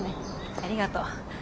ありがとう。